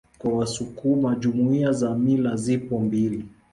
Kwa wasukuma Jumuiya za mila zipo mbili